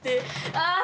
ああ！